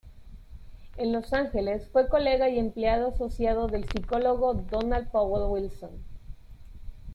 En Los Ángeles, fue colega y empleado asociado del psicólogo Donald Powell Wilson.